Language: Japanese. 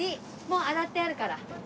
もう洗ってあるから。